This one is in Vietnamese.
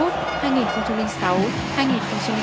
tuy nhiên với sự hồi sinh mẹ mẹ của